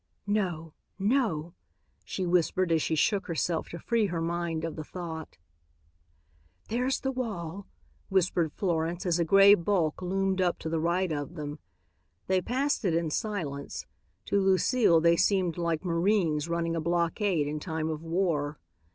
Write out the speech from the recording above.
"No, no!" she whispered as she shook herself to free her mind of the thought. "There's the wall," whispered Florence, as a gray bulk loomed up to the right of them. They passed it in silence. To Lucile they seemed like marines running a blockade in time of war.